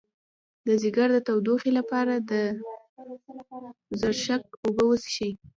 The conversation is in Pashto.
د ځیګر د تودوخې لپاره د زرشک اوبه وڅښئ